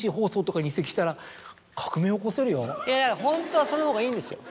ホントはそのほうがいいんですよ。